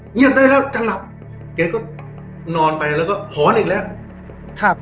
ได้แล้วจะหลับแกก็นอนไปแล้วก็หอนอีกแล้วครับ